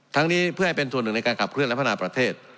นี้เพื่อให้เป็นส่วนหนึ่งในการขับเคลื่อและพัฒนาประเทศ